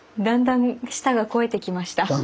だんだん舌が肥えてきました。